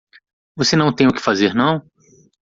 Você não tem o que fazer não?